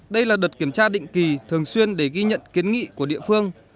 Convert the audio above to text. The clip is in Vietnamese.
đây là đợt kiểm tra định kỳ thường xuyên để ghi nhận kiến nghị của địa phương